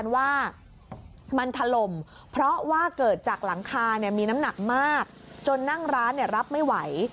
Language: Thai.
ว่ามันถล่มเพราะว่าเกิดจากหลังคามีน้ำหนักมากจนนั่งร้านรับไม่ไหว